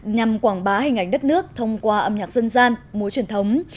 nhằm quảng bá hình ảnh đất nước thông qua âm nhạc dân gian múa truyền thống